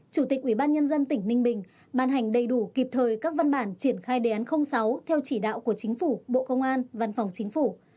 chủ tịch ubnd tỉnh ninh bình ban hành đầy đủ kịp thời các văn bản triển khai đề án sáu theo chỉ đạo của chính phủ bộ công an văn phòng chính phủ